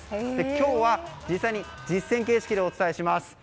今日は、実際に実戦形式でお伝えします。